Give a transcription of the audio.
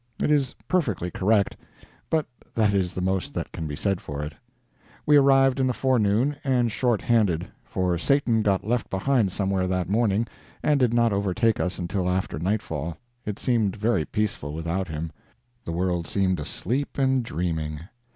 It is perfectly correct, but that is the most that can be said for it. We arrived in the forenoon, and short handed; for Satan got left behind somewhere that morning, and did not overtake us until after nightfall. It seemed very peaceful without him. The world seemed asleep and dreaming.